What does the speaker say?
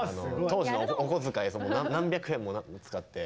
当時のお小遣い何百円も使って。